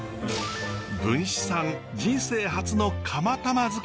文枝さん人生初の釜玉づくりです。